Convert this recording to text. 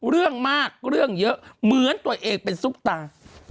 เรื่องมากเรื่องเยอะเหมือนตัวเองเป็นซุปตา